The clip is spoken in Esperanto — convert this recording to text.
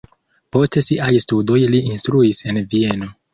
Post siaj studoj li instruis en Vieno.